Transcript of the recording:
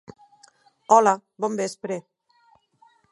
Hola, bon vespre.